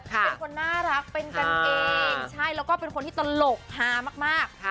เป็นคนน่ารักเป็นกันเองใช่แล้วก็เป็นคนที่ตลกฮามาก